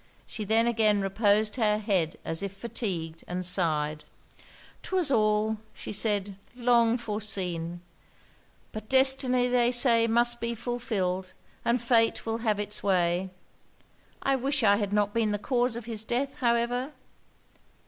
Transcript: She then again reposed her head as if fatigued, and sighed. 'Twas all,' said she, 'long foreseen. But destiny, they say, must be fulfilled, and fate will have it's way. I wish I had not been the cause of his death, however.'